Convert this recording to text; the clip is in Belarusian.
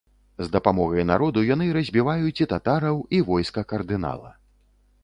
З дапамогай народу яны разбіваюць і татараў, і войска кардынала.